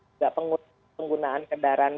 juga penggunaan kendaraan